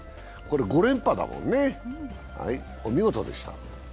５連覇だもんね、お見事でした。